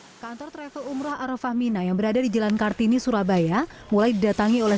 hai kantor travel umrah arafah mina yang berada di jalan kartini surabaya mulai didatangi oleh